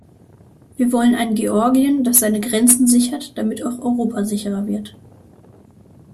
Wir wollen ein Georgien, das seine Grenzen sichert, damit auch Europa sicherer wird.